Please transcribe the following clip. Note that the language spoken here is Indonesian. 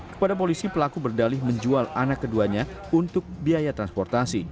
kepada polisi pelaku berdalih menjual anak keduanya untuk biaya transportasi